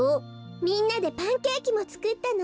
みんなでパンケーキもつくったの。